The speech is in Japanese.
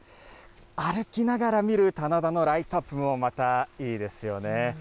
歩きながら見る、棚田のライトアップもまたいいですよね。